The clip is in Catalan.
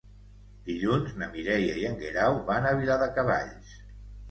Dilluns na Mireia i en Guerau van a Viladecavalls.